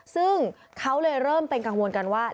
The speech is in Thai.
ซึ่งเขาเลยเริ่มเป็นกังวลกันว่า